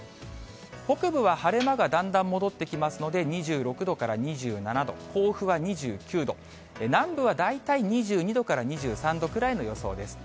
北部は晴れ間がだんだん戻ってきますので、２６度から２７度、甲府は２９度、南部は大体２２度から２３度くらいの予想です。